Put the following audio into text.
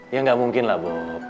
ya ga mungkin lah bob